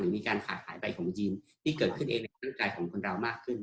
มีการขาดหายไปของยีนที่เกิดขึ้นเองในร่างกายของคนเรามากขึ้น